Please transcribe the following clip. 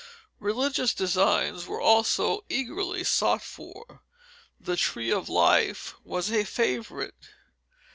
Religious designs were also eagerly sought for. The Tree of Life was a favorite.